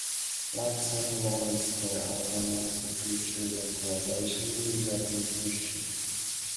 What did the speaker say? Like "Summer Romance", the album also featured a collaboration with Japanese musicians.